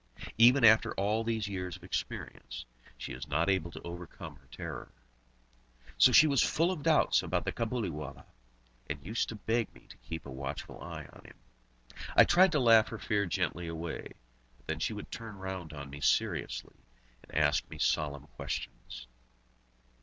Even after all these years of experience, she is not able to overcome her terror. So she was full of doubts about the Cabuliwallah, and used to beg me to keep a watchful eye on him. I tried to laugh her fear gently away, but then she would turn round on me seriously, and ask me solemn questions.